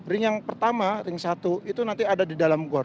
ring yang pertama ring satu itu nanti ada di dalam gol